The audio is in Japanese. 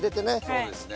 そうですね。